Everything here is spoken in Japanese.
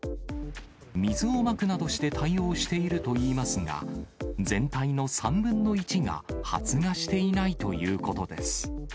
水をまくなどして対応しているといいますが、全体の３分の１が発芽していないということです。